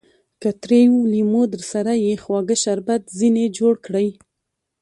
که تريو لېمو درسره يي؛ خواږه شربت ځني جوړ کړئ!